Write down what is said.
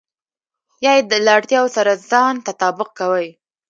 يا يې له اړتياوو سره ځان تطابق کوئ.